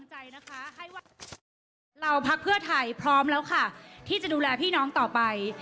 เราพักเพื่อไทยพร้อมแล้วค่ะที่จะดูแลพี่น้องต่อไป